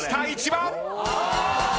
１番。